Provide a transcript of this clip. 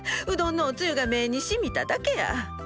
うどんのおつゆが目にしみただけや。